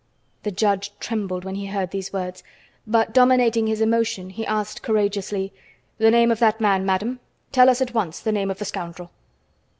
The judge trembled when he heard these words, but, dominating his emotion, he asked courageously: "The name of that man, madame? Tell us at once the name of the scoundrel!"